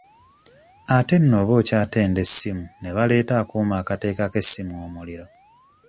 Ate nno oba okyatenda essimu ne baleeta akuuma akateekako essimu omuliro.